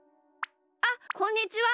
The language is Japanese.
あっこんにちは。